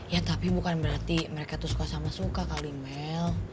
ya tapi bukan berarti mereka tuh suka sama suka kalimail